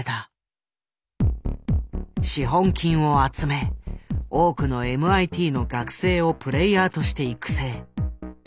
資本金を集め多くのＭＩＴの学生をプレイヤーとして育成。